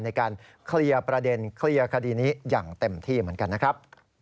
ในการเคลียร์ประเด็นเคลียร์คดีนี้อย่างเต็มที่เหมือนกันนะครับ